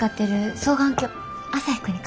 双眼鏡？